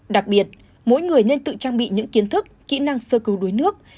đặc biệt mỗi người nên tự trang bị những kiến thức kỹ năng sơ cứu đuối nước